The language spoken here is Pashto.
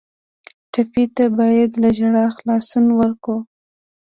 ټپي ته باید له ژړا خلاصون ورکړو.